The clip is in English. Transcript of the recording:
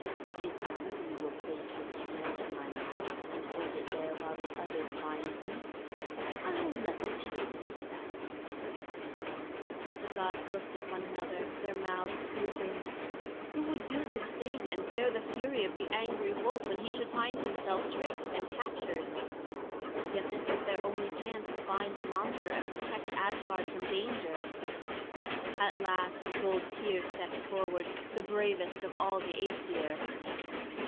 If one of you will place his hand in my mouth and hold it there while the others bind me, I will let the chain be fastened." The gods looked at one another, their mouths drooping. Who would do this thing and bear the fury of the angry wolf when he should find himself tricked and captured? Yet this was their only chance to bind the monster and protect Asgard from danger. At last bold Tŷr stepped forward, the bravest of all the Æsir.